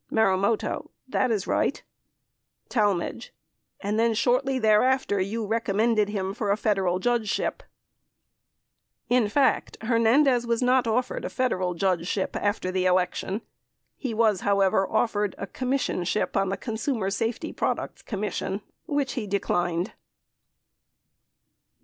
Marumoto. That is right. Talmadge. And shortly thereafter, you recommended him for a Federal judgeship . 52 In fact, Hernandez Was not offered a Federal judgeship after the election. He was, however, offered a commissionship on the Consumer Safety Products Commission, which he declined.